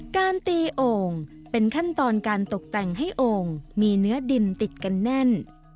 การตีโอ่งเป็นขั้นตอนการตกแต่งให้โอ่งมีเนื้อดินติดกันแน่น